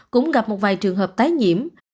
cũng gặp một vài trường hợp tái nhiễm